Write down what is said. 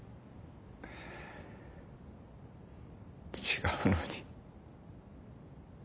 違うのに。